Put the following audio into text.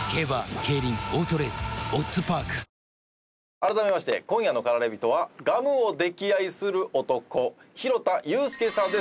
改めまして今夜の駆られ人はガムを溺愛する男弘田裕介さんです。